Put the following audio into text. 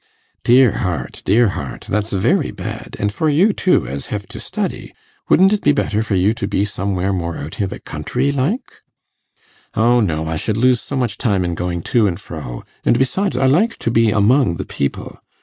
'Dear heart! dear heart! That's very bad and for you, too, as hev to study. Wouldn't it be better for you to be somewhere more out i' the country like?' 'O no! I should lose so much time in going to and fro, and besides I like to be among the people.